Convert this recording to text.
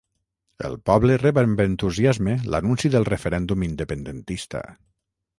El poble rep amb entusiasme l'anunci del referèndum independentista